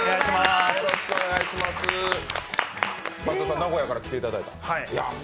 齋藤さん、名古屋から来ていただいた。